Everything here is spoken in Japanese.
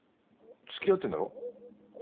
付き合ってんだろ？